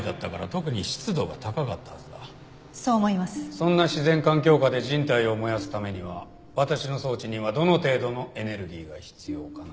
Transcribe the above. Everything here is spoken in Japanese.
そんな自然環境下で人体を燃やすためには私の装置にはどの程度のエネルギーが必要かな？